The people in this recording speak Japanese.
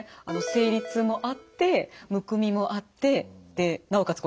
生理痛もあってむくみもあってでなおかつ